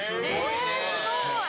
すごいね。